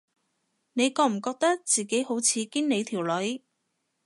你覺唔覺得自己好似經理條女